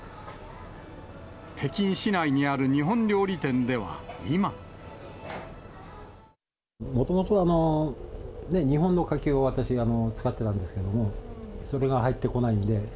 北京市内にある日本料理店でもともと、日本のカキを私、使ってたんですけれども、それが入ってこないんで。